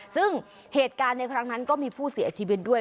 ซึ่งเหตุการณ์ในครั้งนั้นก็มีผู้เสียชีวิตด้วย